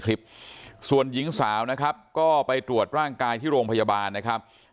คลิปส่วนหญิงสาวนะครับก็ไปตรวจร่างกายที่โรงพยาบาลนะครับ